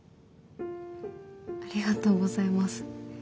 ありがとうございます。